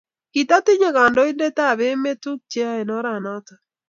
Kitatinye kandoindet tab emet tuguk cheyae eng oret noto